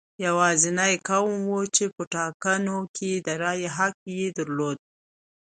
یوازینی قوم و چې په ټاکنو کې د رایې حق یې درلود.